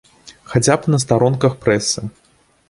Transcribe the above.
Хаця б на старонках прэсы.